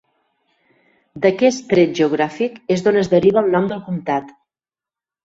D'aquest tret geogràfic és d'on es deriva el nom del comtat.